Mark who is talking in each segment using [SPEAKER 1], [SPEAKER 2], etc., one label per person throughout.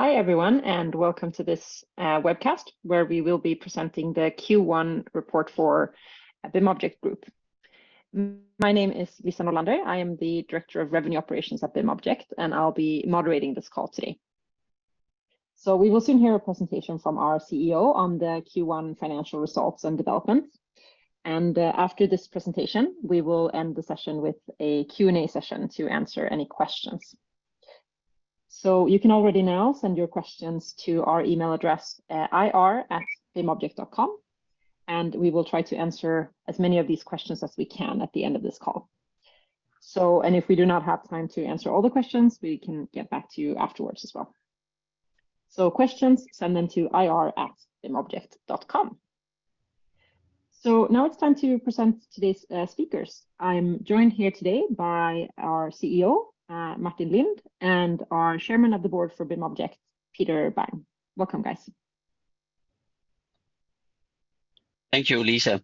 [SPEAKER 1] Hi, everyone, and welcome to this webcast, where we will be presenting the Q1 report for BIMobject AB. My name is Lisa Norlander. I am the Director of Revenue Operations at BIMobject, and I'll be moderating this call today. We will soon hear a presentation from our CEO on the Q1 financial results and developments. After this presentation, we will end the session with a Q&A session to answer any questions. You can already now send your questions to our email address at ir@bimobject.com, and we will try to answer as many of these questions as we can at the end of this call. If we do not have time to answer all the questions, we can get back to you afterwards as well. Questions, send them to ir@bimobject.com. Now it's time to present today's speakers. I'm joined here today by our CEO, Martin Lindh, and our Chairman of the Board for BIMobject, Peter Bang. Welcome, guys.
[SPEAKER 2] Thank you, Lisa.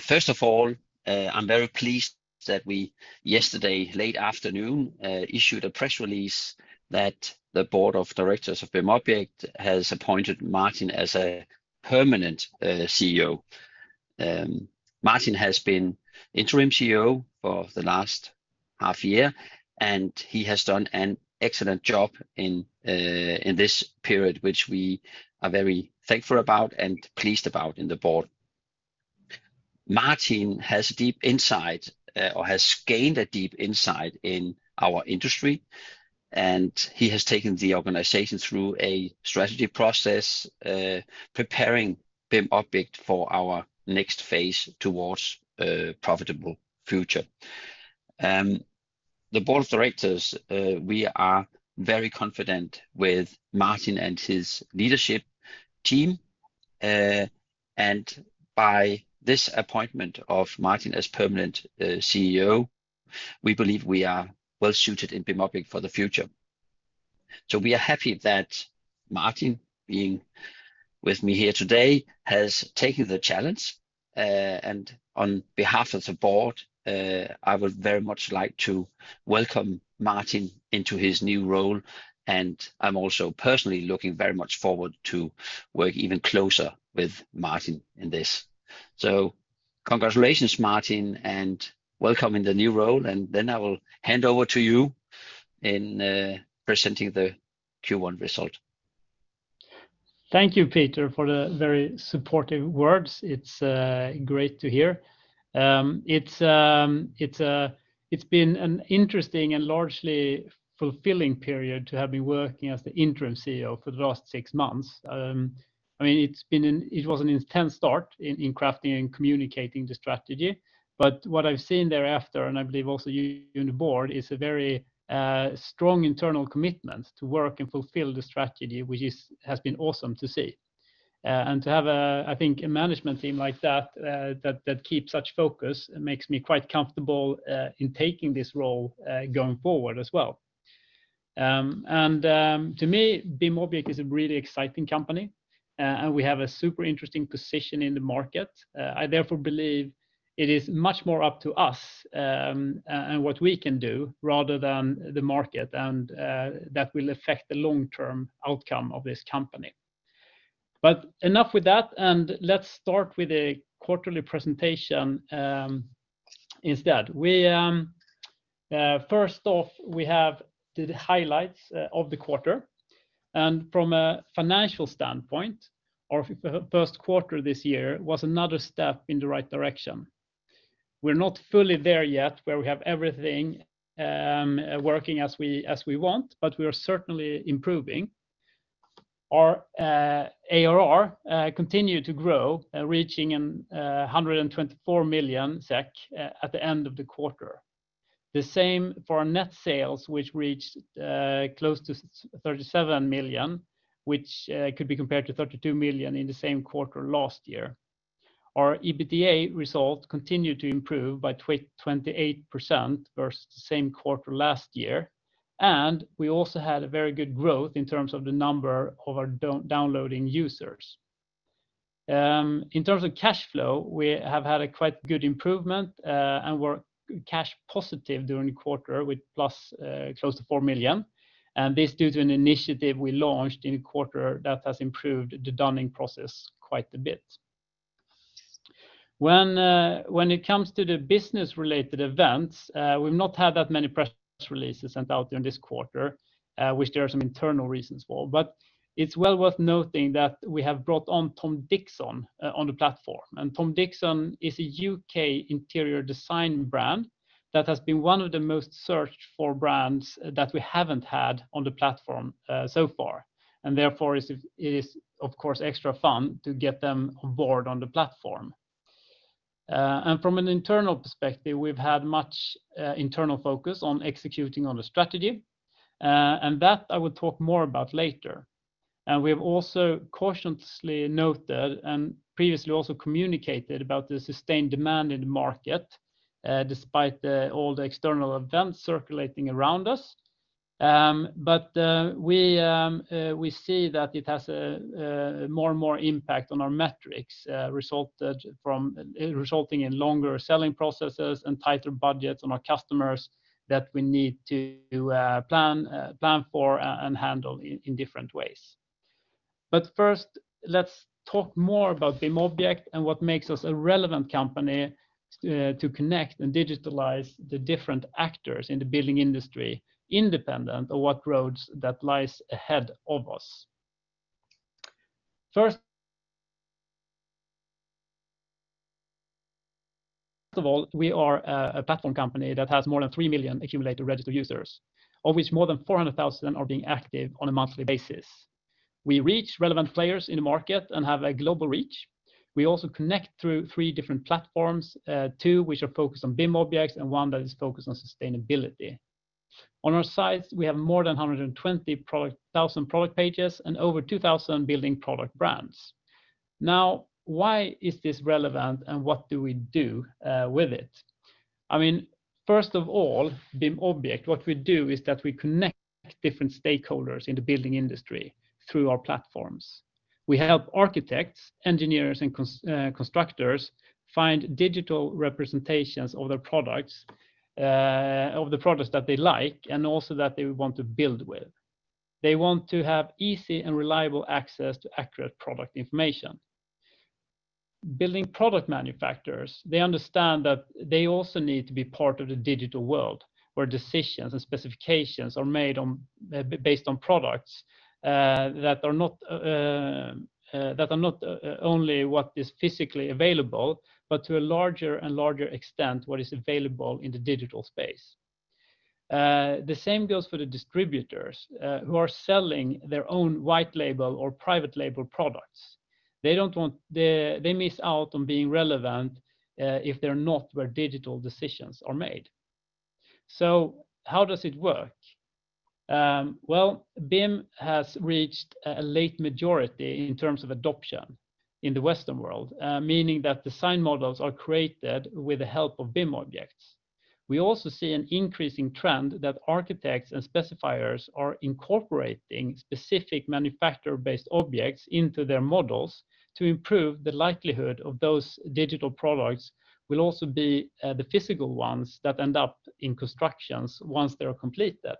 [SPEAKER 2] First of all, I'm very pleased that we yesterday, late afternoon, issued a press release that the board of directors of BIMobject has appointed Martin as a permanent CEO. Martin has been interim CEO for the last half year, and he has done an excellent job in this period, which we are very thankful about and pleased about in the board. Martin has deep insight, or has gained a deep insight in our industry, and he has taken the organization through a strategy process, preparing BIMobject for our next phase towards a profitable future. The board of directors, we are very confident with Martin and his leadership team. By this appointment of Martin as permanent CEO, we believe we are well-suited in BIMobject for the future. We are happy that Martin, being with me here today, has taken the challenge. And on behalf of the board, I would very much like to welcome Martin into his new role, and I'm also personally looking very much forward to work even closer with Martin in this. Congratulations, Martin, and welcome in the new role. I will hand over to you in presenting the Q1 result.
[SPEAKER 3] Thank you, Peter, for the very supportive words. It's great to hear. It's been an interesting and largely fulfilling period to have been working as the interim CEO for the last six months. I mean, it was an intense start in crafting and communicating the strategy. What I've seen thereafter, and I believe also you in the board, is a very strong internal commitment to work and fulfill the strategy, which has been awesome to see. And to have a, I think, a management team like that keeps such focus makes me quite comfortable in taking this role going forward as well. To me, BIMobject is a really exciting company, and we have a super interesting position in the market. I therefore believe it is much more up to us, and what we can do rather than the market, that will affect the long-term outcome of this company. Enough with that, let's start with the quarterly presentation instead. We first off, we have the highlights of the quarter. From a financial standpoint, our Q1 this year was another step in the right direction. We're not fully there yet, where we have everything working as we want, but we are certainly improving. Our ARR continued to grow, reaching 124 million SEK at the end of the quarter. The same for our net sales, which reached close to 37 million, which could be compared to 32 million in the same quarter last year. Our EBITDA results continued to improve by 28% versus the same quarter last year. We also had a very good growth in terms of the number of our downloading users. In terms of cash flow, we have had a quite good improvement, and we're cash positive during the quarter with plus close to 4 million. This due to an initiative we launched in the quarter that has improved the dunning process quite a bit. When it comes to the business-related events, we've not had that many press releases sent out in this quarter, which there are some internal reasons for. It's well worth noting that we have brought on Tom Dixon on the platform. Tom Dixon is a UK interior design brand that has been one of the most searched for brands that we haven't had on the platform, so far. Therefore it is of course extra fun to get them on board on the platform. From an internal perspective, we've had much internal focus on executing on the strategy, and that I will talk more about later. We have also cautiously noted and previously also communicated about the sustained demand in the market, despite the, all the external events circulating around us. We see that it has a more and more impact on our metrics, resulting in longer selling processes and tighter budgets on our customers that we need to plan for and handle in different ways. First, let's talk more about BIMobject and what makes us a relevant company to connect and digitalize the different actors in the building industry independent of what roads that lies ahead of us. First of all, we are a platform company that has more than 3 million accumulated registered users, of which more than 400,000 are being active on a monthly basis. We reach relevant players in the market and have a global reach. We also connect through 3 different platforms, 2 which are focused on BIMobjects and 1 that is focused on sustainability. On our sites, we have more than 120,000 product pages and over 2,000 building product brands. Why is this relevant and what do we do with it? I mean, first of all, BIMobject, what we do is that we connect different stakeholders in the building industry through our platforms. We help architects, engineers, and constructors find digital representations of their products, of the products that they like and also that they want to build with. They want to have easy and reliable access to accurate product information. Building product manufacturers, they understand that they also need to be part of the digital world, where decisions and specifications are made on based on products that are not only what is physically available, but to a larger and larger extent, what is available in the digital space. The same goes for the distributors who are selling their own white label or private label products. They miss out on being relevant if they're not where digital decisions are made. How does it work? Well, BIM has reached a late majority in terms of adoption in the Western world, meaning that design models are created with the help of BIM objects. We also see an increasing trend that architects and specifiers are incorporating specific manufacturer-based objects into their models to improve the likelihood of those digital products will also be the physical ones that end up in constructions once they are completed.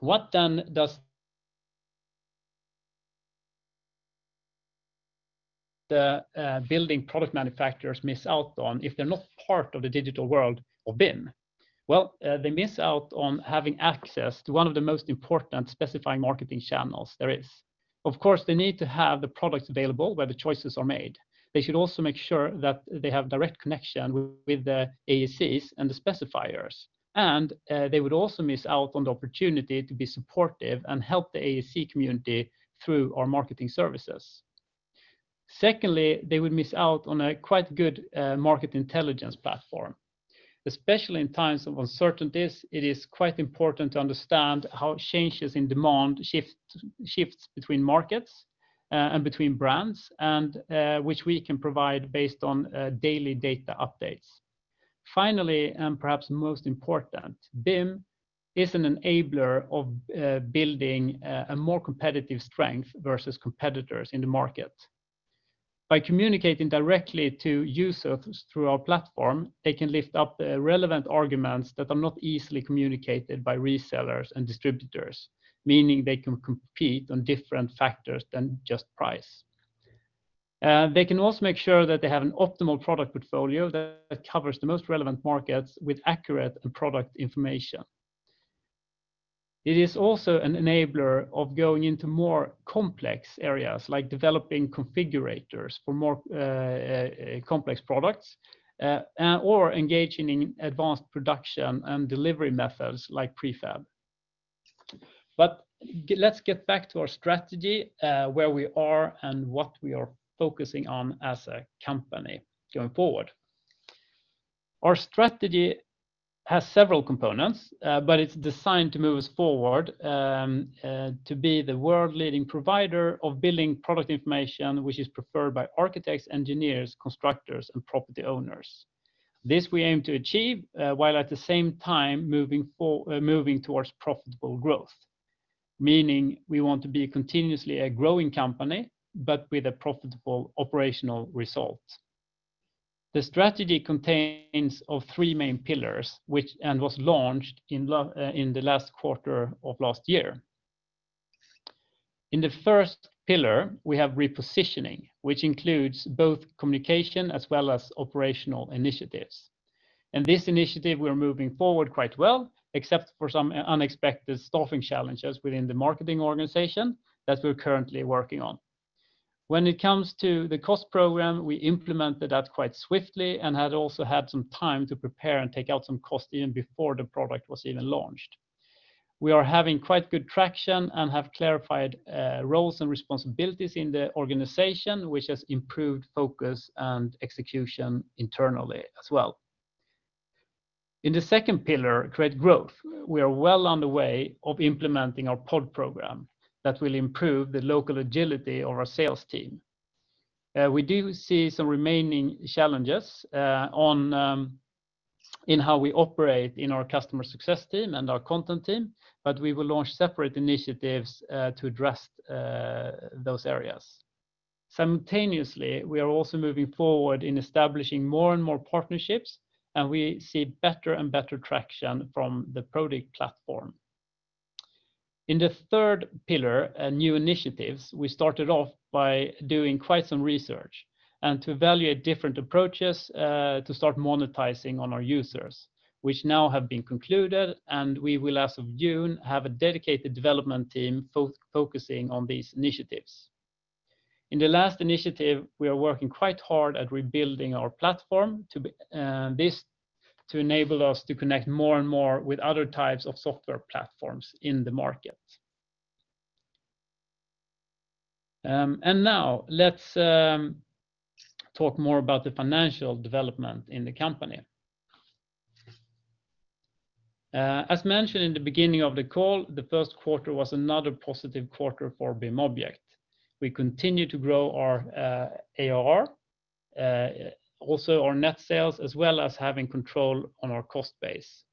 [SPEAKER 3] What then does the building product manufacturers miss out on if they're not part of the digital world of BIM? They miss out on having access to one of the most important specifying marketing channels there is. Of course, they need to have the products available where the choices are made. They should also make sure that they have direct connection with the AECs and the specifiers. They would also miss out on the opportunity to be supportive and help the AEC community through our marketing services. Secondly, they would miss out on a quite good market intelligence platform. Especially in times of uncertainties, it is quite important to understand how changes in demand shift, shifts between markets, and between brands, which we can provide based on daily data updates. Finally, and perhaps most important, BIM is an enabler of building a more competitive strength versus competitors in the market. By communicating directly to users through our platform, they can lift up relevant arguments that are not easily communicated by resellers and distributors, meaning they can compete on different factors than just price. They can also make sure that they have an optimal product portfolio that covers the most relevant markets with accurate product information. It is also an enabler of going into more complex areas like developing configurators for more complex products and or engaging in advanced production and delivery methods like prefab. Let's get back to our strategy, where we are and what we are focusing on as a company going forward. Our strategy has several components, but it's designed to move us forward to be the world leading provider of building product information, which is preferred by architects, engineers, constructors, and property owners. This we aim to achieve while at the same time moving towards profitable growth, meaning we want to be continuously a growing company, but with a profitable operational result. The strategy contains of three main pillars, and was launched in the last quarter of last year. In the first pillar, we have repositioning, which includes both communication as well as operational initiatives. In this initiative, we're moving forward quite well, except for some unexpected staffing challenges within the marketing organization that we're currently working on. When it comes to the cost program, we implemented that quite swiftly and had also had some time to prepare and take out some cost even before the product was even launched. We are having quite good traction and have clarified roles and responsibilities in the organization, which has improved focus and execution internally as well. In the second pillar, create growth, we are well on the way of implementing our pod program that will improve the local agility of our sales team. We do see some remaining challenges on in how we operate in our customer success team and our content team, but we will launch separate initiatives to address those areas. Simultaneously, we are also moving forward in establishing more and more partnerships, and we see better and better traction from the product platform. In the third pillar, new initiatives, we started off by doing quite some research and to evaluate different approaches to start monetizing on our users, which now have been concluded, and we will, as of June, have a dedicated development team focusing on these initiatives. In the last initiative, we are working quite hard at rebuilding our platform this to enable us to connect more and more with other types of software platforms in the market. Now let's talk more about the financial development in the company. As mentioned in the beginning of the call, the Q1 was another positive quarter for BIMobject. We continue to grow our ARR, also our net sales, as well as having control on our cost base.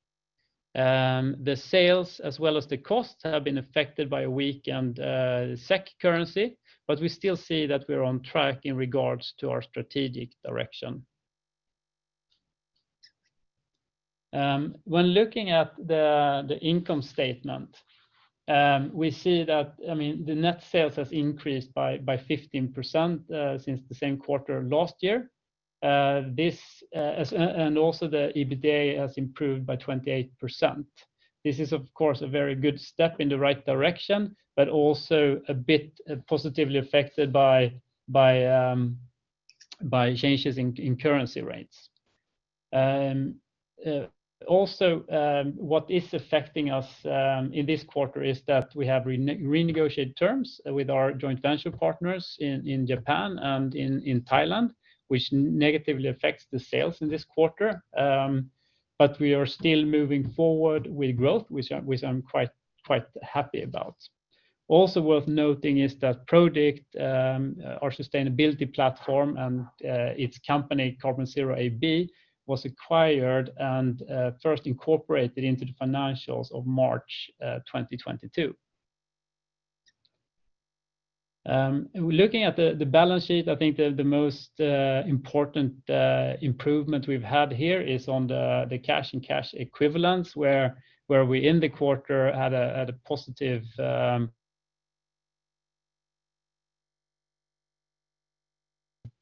[SPEAKER 3] The sales as well as the costs have been affected by a weak SEK currency. We still see that we're on track in regards to our strategic direction. When looking at the income statement, we see that, I mean, the net sales has increased by 15% since the same quarter last year. Also the EBITDA has improved by 28%. This is, of course, a very good step in the right direction. Also a bit positively affected by changes in currency rates. What is affecting us in this quarter is that we have renegotiated terms with our joint venture partners in Japan and in Thailand, which negatively affects the sales in this quarter, but we are still moving forward with growth, which I'm quite happy about. Worth noting is that Prodikt, our sustainability platform and its company, Carbon Zero AB, was acquired and first incorporated into the financials of March 2022. Looking at the balance sheet, I think the most important improvement we've had here is on the cash and cash equivalents, where we end the quarter at a positive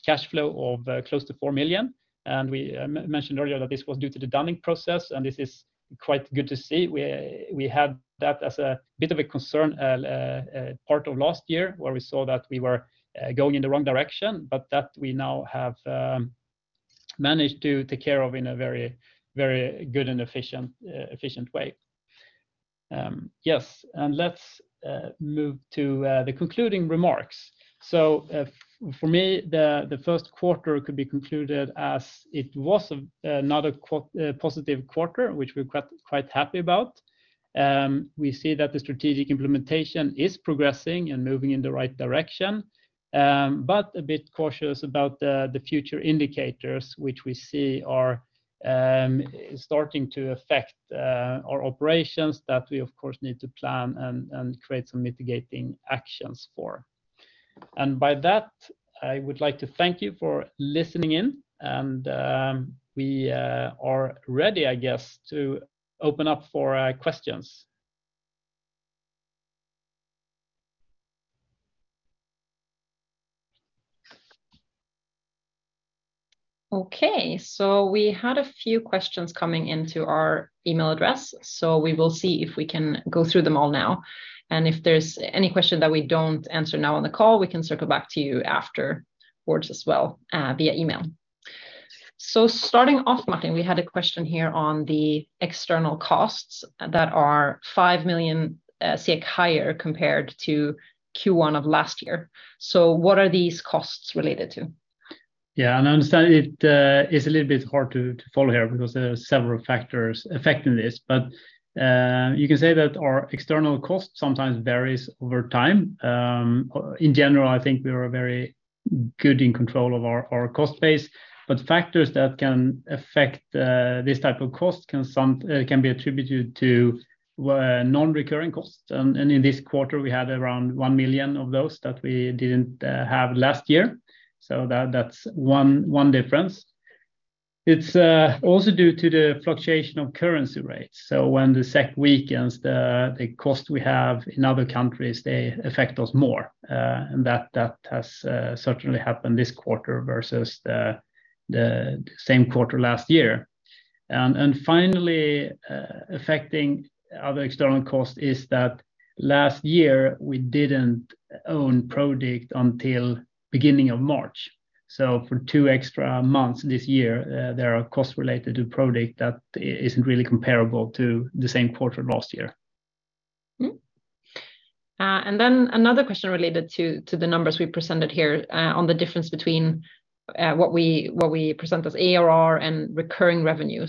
[SPEAKER 3] cash flow of close to 4 million. We mentioned earlier that this was due to the Dunning process, and this is quite good to see. We had that as a bit of a concern, part of last year, where we saw that we were going in the wrong direction, but that we now have managed to take care of in a very, very good and efficient way. Yes, let's move to the concluding remarks. For me, the Q1 could be concluded as it was another positive quarter, which we're quite happy about. We see that the strategic implementation is progressing and moving in the right direction, but a bit cautious about the future indicators which we see are starting to affect our operations that we of course need to plan and create some mitigating actions for. By that, I would like to thank you for listening in and we are ready, I guess, to open up for questions.
[SPEAKER 1] Okay. We had a few questions coming into our email address, so we will see if we can go through them all now. If there's any question that we don't answer now on the call, we can circle back to you afterwards as well, via email. Starting off, Martin, we had a question here on the external costs that are 5 million SEK higher compared to Q1 of last year. What are these costs related to?
[SPEAKER 3] I understand it is a little bit hard to follow here because there are several factors affecting this. You can say that our external cost sometimes varies over time. In general, I think we are very good in control of our cost base. Factors that can affect this type of cost can be attributed to non-recurring costs. In this quarter, we had around 1 million of those that we didn't have last year. That's one difference. It's also due to the fluctuation of currency rates. When the SEK weakens, the cost we have in other countries, they affect us more. That has certainly happened this quarter versus the same quarter last year. Finally, affecting other external costs is that last year we didn't own Prodikt until beginning of March. For two extra months this year, there are costs related to Prodikt that isn't really comparable to the same quarter last year.
[SPEAKER 1] Another question related to the numbers we presented here, on the difference between what we present as ARR and recurring revenue.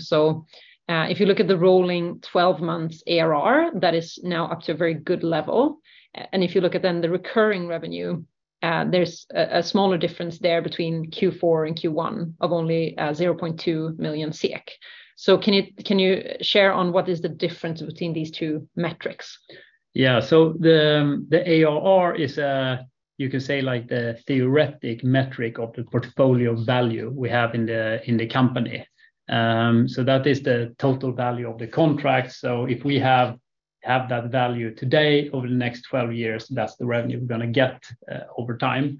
[SPEAKER 1] If you look at the rolling 12 months ARR, that is now up to a very good level. If you look at then the recurring revenue, there's a smaller difference there between Q4 and Q1 of only 0.2 million SEK. Can you share on what is the difference between these two metrics?
[SPEAKER 3] Yeah. The ARR is, you can say like the theoretic metric of the portfolio value we have in the company. That is the total value of the contract. If we have that value today, over the next 12 years, that's the revenue we're gonna get over time.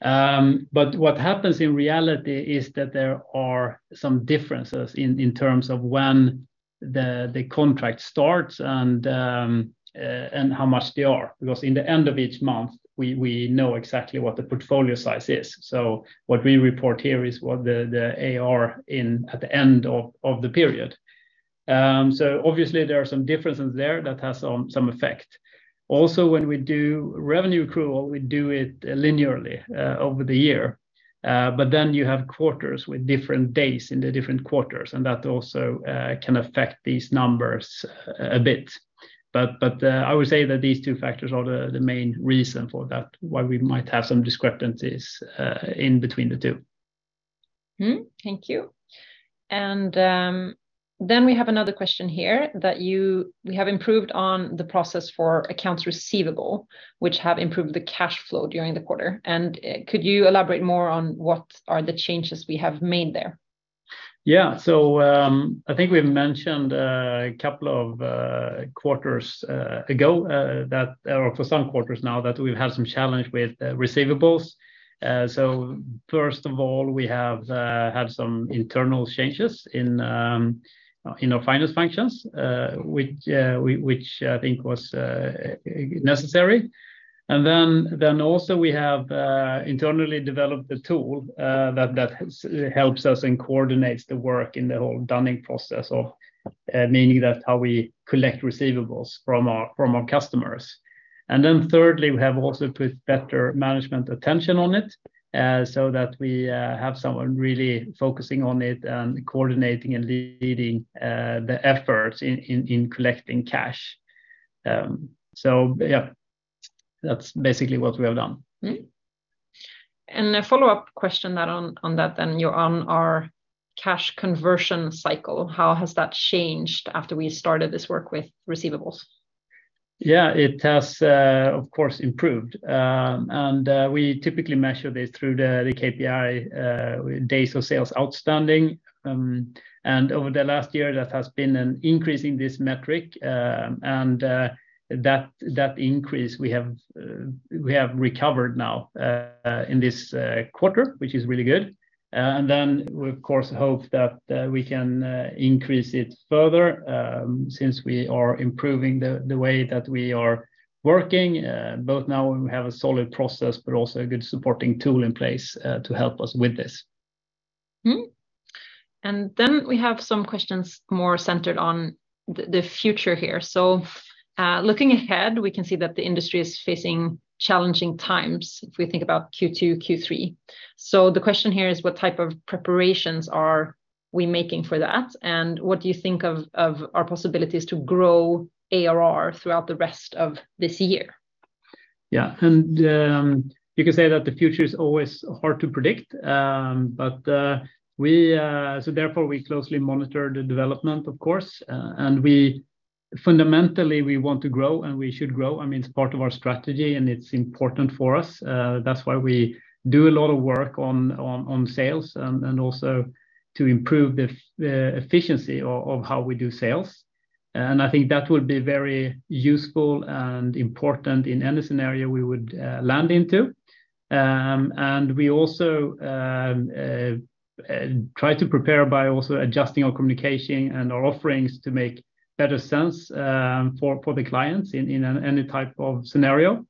[SPEAKER 3] What happens in reality is that there are some differences in terms of when the contract starts and how much they are, because in the end of each month, we know exactly what the portfolio size is. What we report here is what the AR in at the end of the period. Obviously there are some differences there that has some effect. Also, when we do revenue accrual, we do it linearly over the year. You have quarters with different days in the different quarters, and that also can affect these numbers a bit. I would say that these two factors are the main reason for that, why we might have some discrepancies in between the two.
[SPEAKER 1] Thank you. We have another question here that We have improved on the process for accounts receivable, which have improved the cash flow during the quarter. Could you elaborate more on what are the changes we have made there?
[SPEAKER 3] Yeah. I think we've mentioned a couple of quarters ago that or for some quarters now that we've had some challenge with receivables. First of all, we have had some internal changes in our finance functions, which I think was necessary. Also we have internally developed a tool that helps us and coordinates the work in the whole dunning process or meaning that how we collect receivables from our customers. Thirdly, we have also put better management attention on it so that we have someone really focusing on it and coordinating and leading the efforts in collecting cash. Yeah, that's basically what we have done.
[SPEAKER 1] A follow-up question on that then, Johan, our cash conversion cycle, how has that changed after we started this work with receivables?
[SPEAKER 3] Yeah. It has, of course, improved. We typically measure this through the KPI, days sales outstanding. Over the last year, that has been an increase in this metric. That increase we have recovered now in this quarter, which is really good. We of course hope that we can increase it further, since we are improving the way that we are working. Both now we have a solid process, but also a good supporting tool in place to help us with this.
[SPEAKER 1] Mm-hmm. Then we have some questions more centered on the future here. Looking ahead, we can see that the industry is facing challenging times if we think about Q2, Q3. The question here is what type of preparations are we making for that, and what do you think of our possibilities to grow ARR throughout the rest of this year?
[SPEAKER 3] Yeah. You can say that the future is always hard to predict. We, therefore we closely monitor the development, of course. We fundamentally, we want to grow, and we should grow. I mean, it's part of our strategy, and it's important for us. That's why we do a lot of work on sales and also to improve the efficiency of how we do sales. I think that will be very useful and important in any scenario we would land into. We also try to prepare by also adjusting our communication and our offerings to make better sense for the clients in any type of scenario.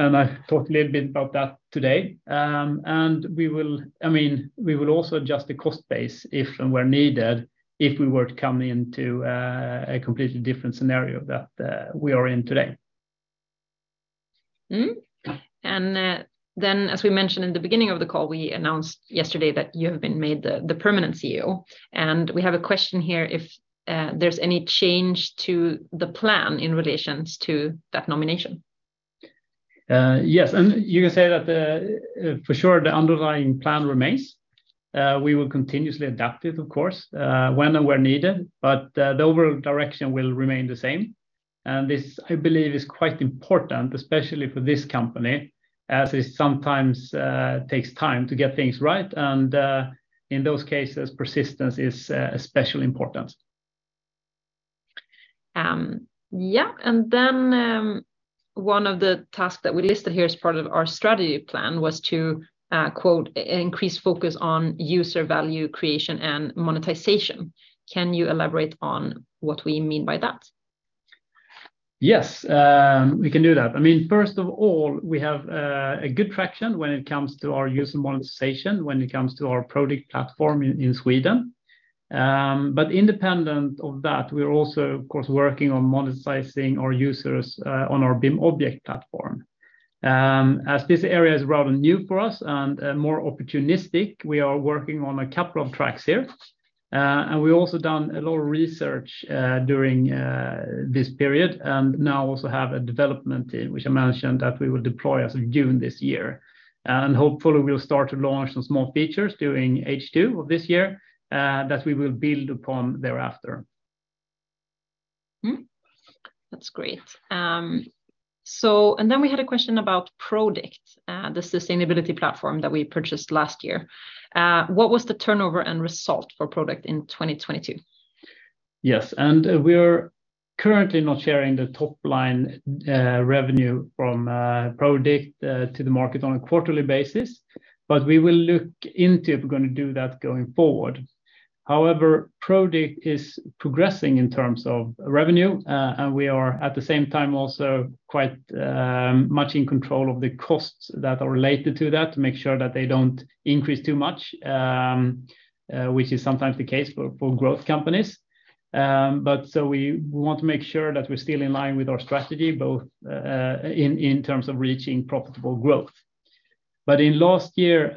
[SPEAKER 3] I talked a little bit about that today. We will, I mean, we will also adjust the cost base if and where needed, if we were to come into a completely different scenario that we are in today. Yeah.
[SPEAKER 1] As we mentioned in the beginning of the call, we announced yesterday that you have been made the permanent CEO, and we have a question here if there's any change to the plan in relations to that nomination.
[SPEAKER 3] Yes. You can say that, for sure the underlying plan remains. We will continuously adapt it, of course, when and where needed, but, the overall direction will remain the same. This, I believe, is quite important, especially for this company, as it sometimes, takes time to get things right, and, in those cases, persistence is, especially important.
[SPEAKER 1] Yeah. One of the tasks that we listed here as part of our strategy plan was to, quote, "Increase focus on user value creation and monetization." Can you elaborate on what we mean by that?
[SPEAKER 3] Yes, we can do that. I mean, first of all, we have a good traction when it comes to our user monetization, when it comes to our product platform in Sweden. Independent of that, we're also of course working on monetizing our users on our BIMobject platform. As this area is rather new for us and more opportunistic, we are working on a couple of tracks here. We've also done a lot of research during this period and now also have a development in which I mentioned that we will deploy as of June this year. Hopefully we'll start to launch some small features during H2 of this year that we will build upon thereafter.
[SPEAKER 1] Mm-hmm. That's great. We had a question about Prodikt, the sustainability platform that we purchased last year. What was the turnover end result for Prodikt in 2022?
[SPEAKER 3] Yes. We're currently not sharing the top line revenue from Prodikt to the market on a quarterly basis. We will look into if we're gonna do that going forward. However, Prodikt is progressing in terms of revenue. We are at the same time also quite much in control of the costs that are related to that to make sure that they don't increase too much, which is sometimes the case for growth companies. We want to make sure that we're still in line with our strategy both in terms of reaching profitable growth. In last year,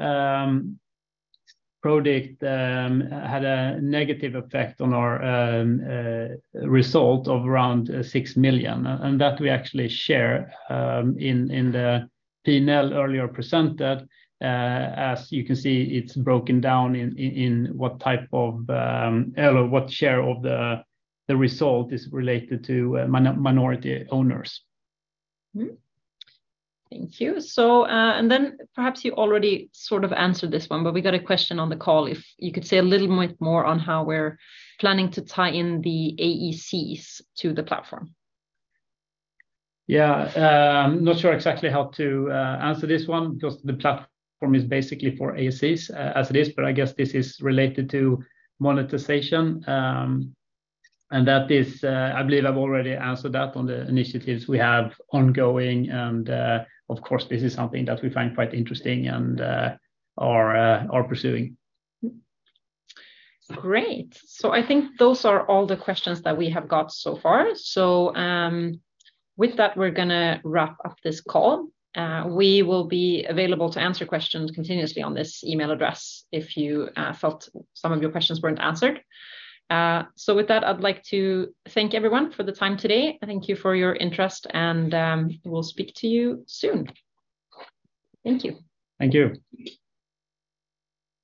[SPEAKER 3] Prodikt had a negative effect on our result of around 6 million. That we actually share in the P&L earlier presented. As you can see, it's broken down in what type of, or what share of the result is related to minority owners.
[SPEAKER 1] Thank you. Perhaps you already sort of answered this one, but we got a question on the call if you could say a little more on how we're planning to tie in the AECs to the platform.
[SPEAKER 3] Yeah. I'm not sure exactly how to answer this one because the platform is basically for AECs as it is, but I guess this is related to monetization. That is, I believe I've already answered that on the initiatives we have ongoing. Of course, this is something that we find quite interesting and are pursuing.
[SPEAKER 1] Great. I think those are all the questions that we have got so far. With that, we're gonna wrap up this call. We will be available to answer questions continuously on this email address if you felt some of your questions weren't answered. With that, I'd like to thank everyone for the time today. Thank you for your interest, and, we'll speak to you soon. Thank you.
[SPEAKER 3] Thank you.